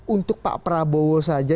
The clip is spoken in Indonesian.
untuk pak prabowo saja